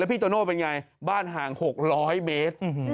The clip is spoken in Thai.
พี่โตโน่เป็นไงบ้านห่าง๖๐๐เมตร